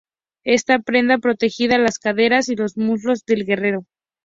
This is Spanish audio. Esta prenda protegida las caderas y los muslos del guerrero.